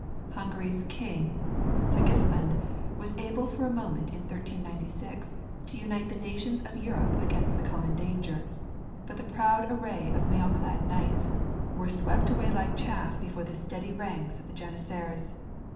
Hungary's king, Sigismund, was able for a moment in 1396 to unite the nations of Europe against the common danger, but the proud array of mail clad knights were swept away like chaff before the steady ranks of the janissaries.